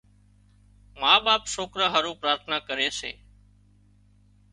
ما ٻاپ سوڪران هارو پراٿنا ڪري سي